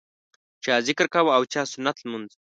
چا ذکر کاوه او چا سنت لمونځ.